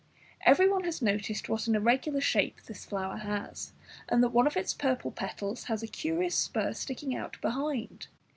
Everyone has noticed what an irregular shape this flower has, and that one of its purple petals has a curious spur sticking out behind.